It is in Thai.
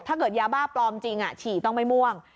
ถ้าเกิดยาบ้าปลอมจริงฉี่ต้องไม่ม่วง